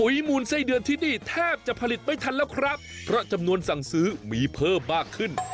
มูลไส้เดือนที่นี่แทบจะผลิตไม่ทันแล้วครับเพราะจำนวนสั่งซื้อมีเพิ่มมากขึ้น